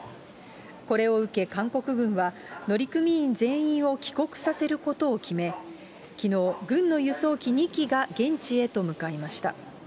これを受け、韓国軍は乗組員全員を帰国させることを決め、きのう、軍の輸送機２機が現地へと向かいました。